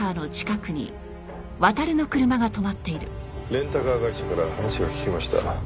レンタカー会社から話が聞けました。